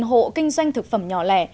năm trăm linh hộ kinh doanh thực phẩm nhỏ lẻ